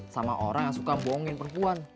sama orang yang suka bohongin perempuan